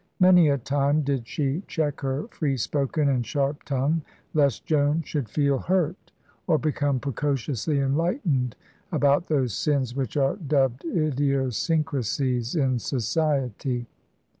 Many a time did she check her free spoken and sharp tongue, lest Joan should feel hurt, or become precociously enlightened about those sins which are dubbed idiosyncrasies in society.